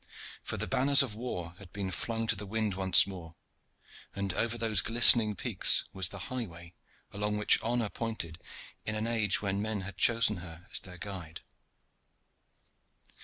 For the banners of war had been flung to the wind once more, and over those glistening peaks was the highway along which Honor pointed in an age when men had chosen her as their guide.